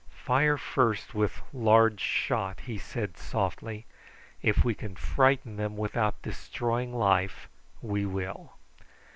"Fire first with large shot," he said softly. "If we can frighten them without destroying life we will.